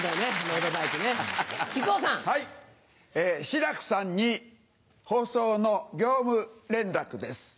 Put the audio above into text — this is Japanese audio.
志らくさんに放送の業務連絡です。